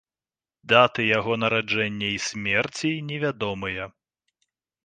Даты яго нараджэння і смерці невядомыя.